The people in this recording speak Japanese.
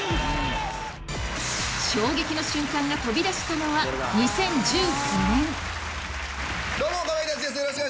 衝撃の瞬間が飛び出したのは２０１９年。